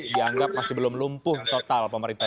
dianggap masih belum lumpuh total pemerintah